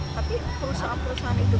tapi perusahaan perusahaan itu